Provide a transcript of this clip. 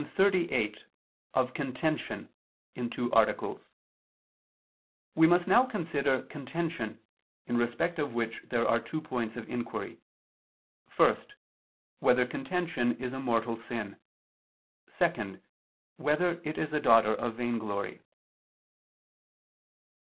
_______________________ QUESTION 38 OF CONTENTION (In Two Articles) We must now consider contention, in respect of which there are two points of inquiry: (1) Whether contention is a mortal sin? (2) Whether it is a daughter of vainglory?